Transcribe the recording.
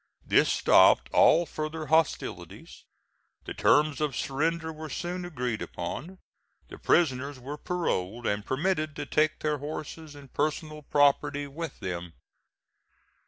This stopped all further hostilities. The terms of surrender were soon agreed upon. The prisoners were paroled and permitted to take their horses and personal property with them.